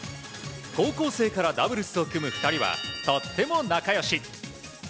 高校生からダブルスを組む２人はとっても仲良し。